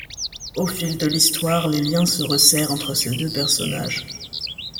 Au fil de l'histoire, les liens se resserrent entre ces deux personnages.